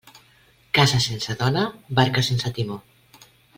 Casa sense dona, barca sense timó.